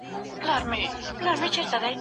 چېري خلګ د سولي په اهمیت باندي پوهیږي؟